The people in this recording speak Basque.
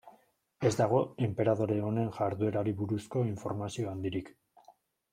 Ez dago enperadore honen jarduerari buruzko informazio handirik.